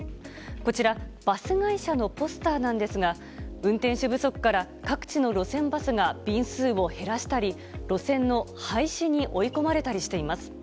こちらバス会社のポスターなんですが運転手不足から各地の路線バスが便数を減らしたり路線の廃止に追い込まれたりしています。